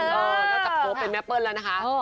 เออแล้วจับโค้กเป็นแมปเปิ้ลแล้วนะคะ